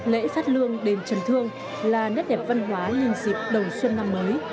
lễ phát lương đêm trần thương là nét đẹp văn hóa nhìn dịp đồng xuân năm mới